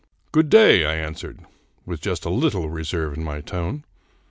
" Good day," I answered, with just a little reserve in my tone.